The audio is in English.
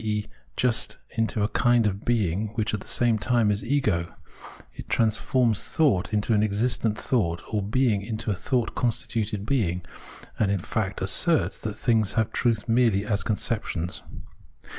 e. just into a kind of being which at the same time is ego ; it transforms thought into an existent thought, or being into a thought constituted being, and, in fact, asserts that things have truth merely as conceptions.